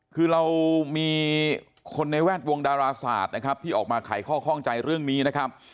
คือเรามีคนในแวดวงดาราศาสตร์นะครับที่ออกมาไขข้อข้องใจเรื่องนี้นะครับ